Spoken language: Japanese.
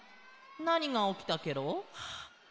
なにがおきたケロ？